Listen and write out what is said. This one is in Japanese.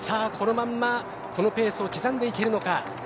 このままこのペースを刻んでいけるのか。